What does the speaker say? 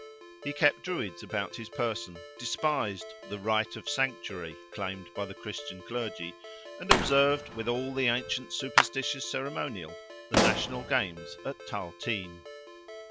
He kept Druids about his person, despised "the right of sanctuary" claimed by the Christian clergy, and observed, with all the ancient superstitious ceremonial, the national games at Tailteen.